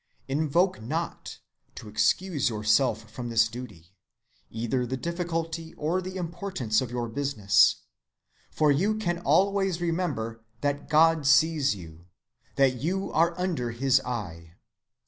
Invoke not, to excuse yourself from this duty, either the difficulty or the importance of your business, for you can always remember that God sees you, that you are under his eye.